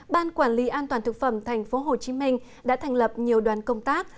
ban quản lý an toàn thực phẩm tp hcm đã thành lập nhiều đoàn công tác